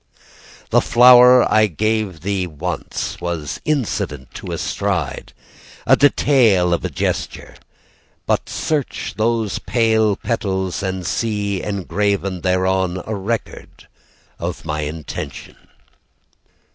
The flower I gave thee once Was incident to a stride, A detail of a gesture, But search those pale petals And see engraven thereon A record of my intention.